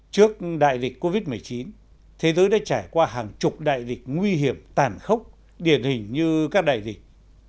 trước đại dịch covid một mươi chín thế giới đã trải qua hàng chục đại dịch nguy hiểm tàn khốc điển hình như các đại dịch